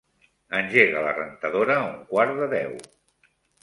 Engega la rentadora a un quart de deu.